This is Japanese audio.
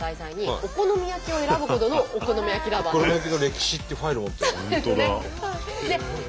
「お好み焼きの歴史」ってファイル持ってる。